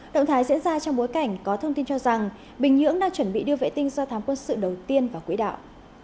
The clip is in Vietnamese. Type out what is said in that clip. động thái diễn ra trong bối cảnh có thông tin cho rằng bình nhưỡng đang chuẩn bị đưa vệ tinh do thám quân sự đầu tiên vào quỹ đạo